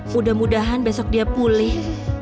mudah mudahan besok dia pulih